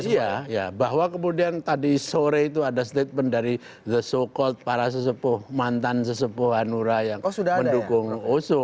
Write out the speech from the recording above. iya bahwa kemudian tadi sore itu ada statement dari the so call para sesepuh mantan sesepuh hanura yang mendukung oso